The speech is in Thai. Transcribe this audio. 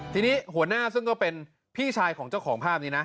ทีนี้หัวหน้าซึ่งก็เป็นพี่ชายของเจ้าของภาพนี้นะ